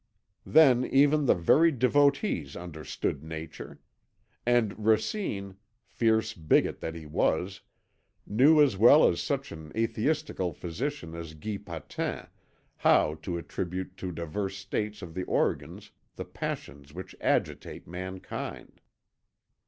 "Then even the very devotees understood Nature. And Racine, fierce bigot that he was, knew as well as such an atheistical physician as Guy Patin, how to attribute to divers states of the organs the passions which agitate mankind.